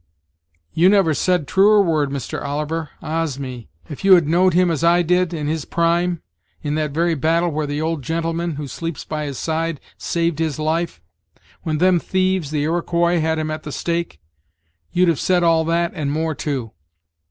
"You never said truer word, Mr. Oliver; ah's me! if you had knowed him as I did, in his prime, in that very battle where the old gentleman, who sleeps by his side saved his life, when them thieves, the Iroquois, had him at the stake, you'd have said all that, and more too.